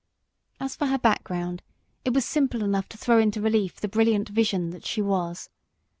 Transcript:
As for her background, it was simple enough to throw into relief the brilliant vision that she was.